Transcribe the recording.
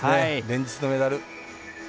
連日のメダル。